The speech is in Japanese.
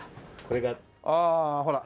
ああほら。